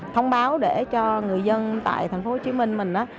thông báo để cho người dân tại tp hcm mình á